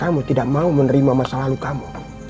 kamu tidak mau menerima masa lalu kamu